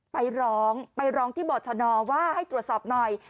ไปร้องไปร้องที่บอชนว่าให้ตรวจสอบหน่อย